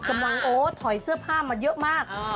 กำลังโอ้ถอยเสื้อผ้ามาเยอะมาก